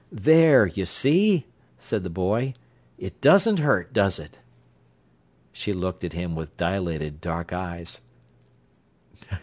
"There, you see," said the boy. "It doesn't hurt, does it?" She looked at him with dilated dark eyes.